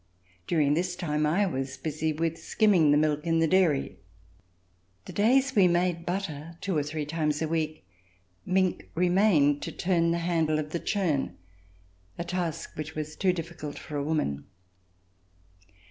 During this time, I was busy with skim ming the milk in the dairy. The days we made butter, two or three times a week, Minck remained to turn the handle of the churn, a task which was too difficult for a woman.